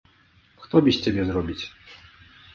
Хто без цябе зробіць?